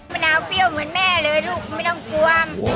มะนาวเปรี้ยวเหมือนแม่เลยลูกไม่ต้องกวม